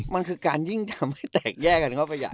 มันคือการยิ่งทำให้แตกแยกกันเข้าไปใหญ่